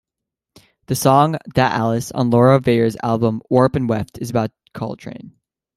The song "That Alice" on Laura Veirs' album "Warp and Weft" is about Coltrane.